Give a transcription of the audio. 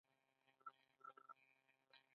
د پوزې د پاکوالي لپاره د مالګې او اوبو څاڅکي وکاروئ